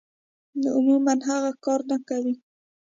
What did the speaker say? نو عموماً هغه کار نۀ کوي -